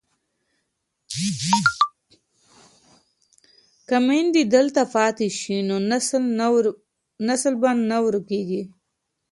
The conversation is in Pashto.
که میندې دلته پاتې شي نو نسل به نه ورکيږي.